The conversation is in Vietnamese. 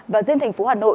và riêng thành phố hà nội